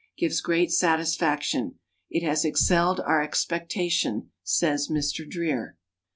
"Gives great satisfaction. It has excelled our expectation," says Mr. Dreer.